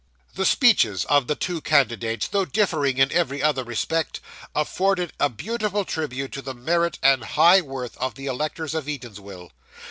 The speeches of the two candidates, though differing in every other respect, afforded a beautiful tribute to the merit and high worth of the electors of Eatanswill.